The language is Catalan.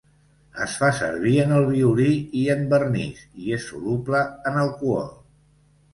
Es fa servir en el violí i en vernís i és soluble en alcohol.